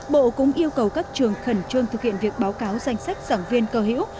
bộ cũng yêu cầu các trường khẩn trương thực hiện việc báo cáo danh sách giảng viên cơ hữu